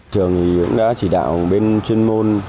trường thì cũng đã chỉ đạo bên chuyên môn cùng với lại